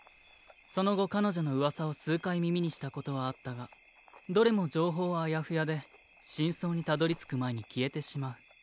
その後彼女の噂を数回耳にしたことはあったがどれも情報はあやふやで真相にたどりつく前に消えてしまう。